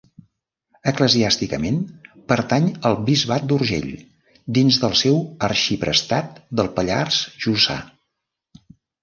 Eclesiàsticament, pertany al Bisbat d'Urgell, dins del seu arxiprestat del Pallars Jussà.